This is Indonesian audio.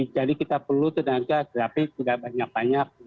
jadi kita perlu tenaga grafik tidak banyak banyak